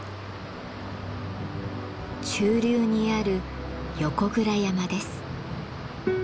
中流にある横倉山です。